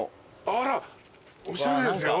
あらおしゃれですよ。